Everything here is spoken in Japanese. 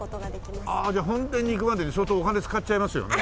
ああじゃあ本殿に行くまでに相当お金使っちゃいますよね。